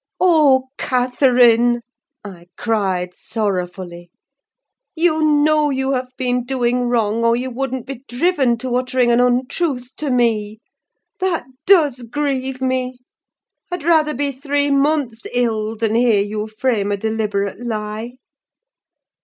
"Oh, Catherine!" I cried, sorrowfully. "You know you have been doing wrong, or you wouldn't be driven to uttering an untruth to me. That does grieve me. I'd rather be three months ill, than hear you frame a deliberate lie."